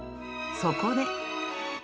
そこで。